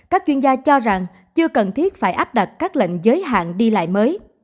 các chuyên gia cho rằng chưa cần thiết phải áp đặt các lệnh giới hạn đi lại mới